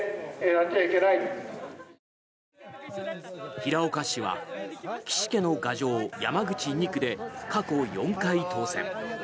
平岡氏は岸家の牙城・山口２区で過去４回当選。